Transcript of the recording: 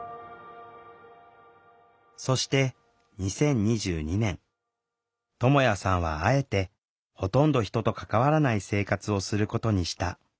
そして２０２２年。ともやさんはあえてほとんど人と関わらない生活をすることにした。